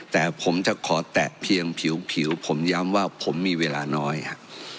แต่ผมจะขอแตะเพียงผิวผมย้ำว่าผมมีเวลาน้อยฮะ